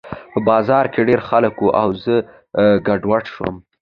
په بازار کې ډېر خلک وو او زه ګډوډ شوم